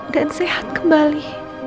dan sehat kembali